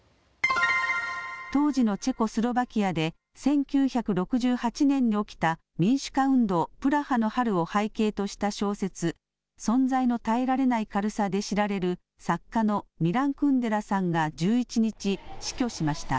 当時のチェコスロバキアで１９６８年に起きた民主化運動、プラハの春を背景とした小説、存在の耐えられない軽さで知られる作家のミラン・クンデラさんが１１日、死去しました。